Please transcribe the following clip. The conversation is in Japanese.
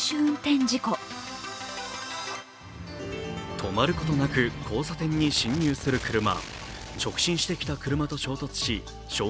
止まることなく交差点に進入する車。